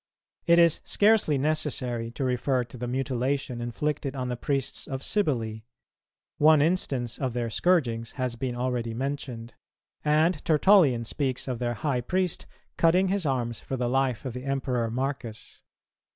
It is scarcely necessary to refer to the mutilation inflicted on the priests of Cybele; one instance of their scourgings has been already mentioned; and Tertullian speaks of their high priest cutting his arms for the life of the Emperor Marcus.